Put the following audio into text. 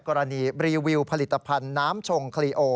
กรณีรีวิวผลิตภัณฑ์น้ำชงคลีโอ